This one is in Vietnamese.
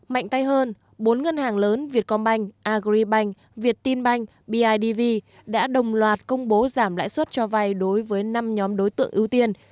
mạnh tay hơn bốn ngân hàng lớn việtcombank agribank việttinbank bidv đã đồng loạt công bố giảm lãi suất cho vay đối với năm nhóm đối tượng ưu tiên